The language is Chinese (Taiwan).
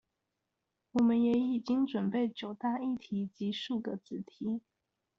我們也已經準備九大議題及數個子題